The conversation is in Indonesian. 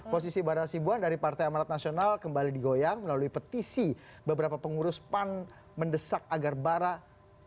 posisi barah sibuan dari partai amarat nasional kembali digoyang melalui petisi beberapa pengurus pan mendesak agar barah